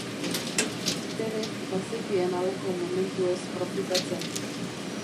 Perek bazekien halako momentuez profitatzen.